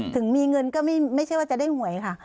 ถึงมีเงินก็ไม่ใช่ว่าจะได้หวยค่ะ